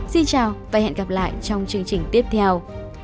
xin chào và hẹn gặp lại trong chương trình tiếp theo